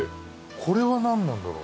これはなんなんだろう？